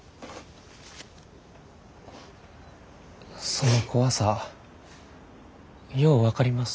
その怖さよう分かります。